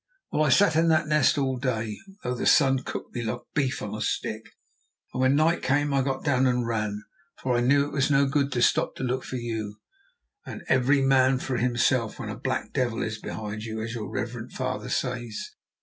"Well, I sat in that nest all day, though the sun cooked me like beef on a stick; and when night came I got down and ran, for I knew it was no good to stop to look for you, and 'every man for himself when a black devil is behind you,' as your reverend father says.